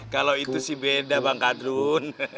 kalau itu sih beda bang kadrun